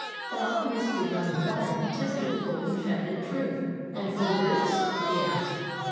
The alchemist did not inquire. He tested the gold and found it true. "And for this ?" he asked.